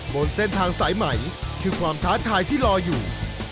บนเส้นทางสายใหม่คือความท้าทายที่รออยู่